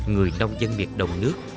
người nông dân miệt đồng nước